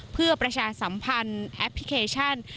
เพื่อประชาสัมพันธ์แอปพลิเคชัน